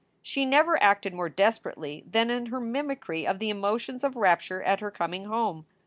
She never acted more desperately than in her mimicry of the emotions of rapture at her coming home.